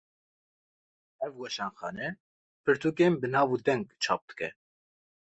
Ev weşanxane, pirtûkên bi nav û deng çap dike